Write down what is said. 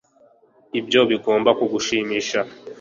Ibyo bigomba kugushimisha